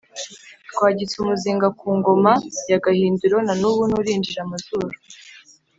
Twagitse umuzinga ku ngoma ya Gahindiro na n'ubu nturinjira-Amazuru.